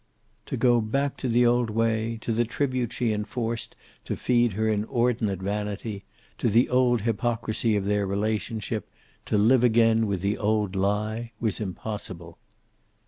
To go back to the old way, to the tribute she enforced to feed her inordinate vanity, to the old hypocrisy of their relationship, to live again the old lie, was impossible.